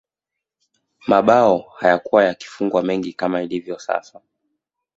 mabao hayakuwa yakifungwa mengi kama ilivyo sasa